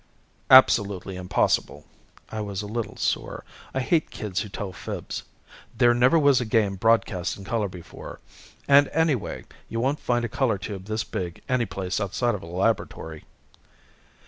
"Absolutely impossible." I was a little sore. I hate kids who tell fibs. "There never was a game broadcast in color before. And, anyway, you won't find a color tube this big any place outside of a laboratory."